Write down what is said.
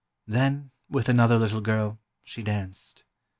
Then, with another little girl, she danced.